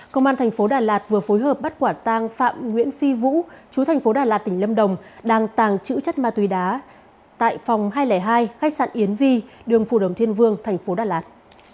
công an thành phố đà lạt vừa phối hợp bắt quả tang phạm nguyễn phi vũ chú thành phố đà lạt tỉnh lâm đồng đang tàng trữ chất ma túy đá tại phòng hai trăm linh hai khách sạn yến vi đường phù đồng thiên vương thành phố đà lạt